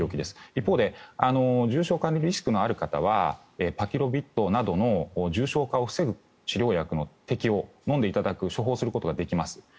一方で重症化のリスクがある人はパキロビッドなどの重症化を防ぐ治療薬の適用処方することができます。